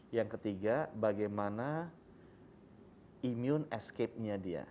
yang ketiga bagaimana immune escape nya dia